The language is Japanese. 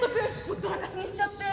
ほったらかしにしちゃって。